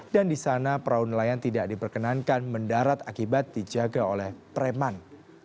dan di sana perahu nelayan tidak diperkenankan mendarat akibat dijaga oleh preman